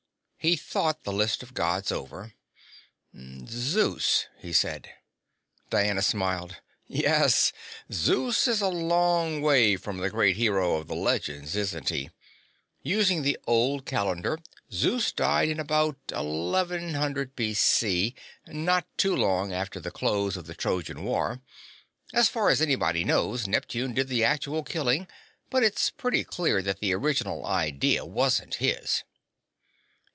He thought the list of Gods over. "Zeus," he said. Diana smiled. "Yes, Zeus is a long way from the great hero of the legends, isn't he? Using the old calendar, Zeus died in about 1100 B.C., not too long after the close of the Trojan War. As far as anybody knows, Neptune did the actual killing, but it's pretty clear that the original idea wasn't his."